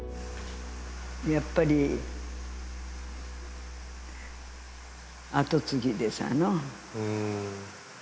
やっぱり、後継ぎですわの。